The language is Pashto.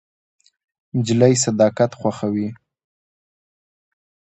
نجلۍ صداقت خوښوي.